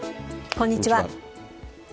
こんにちは。